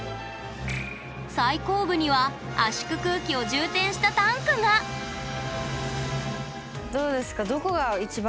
最後部には圧縮空気を充填したタンクがどうですか？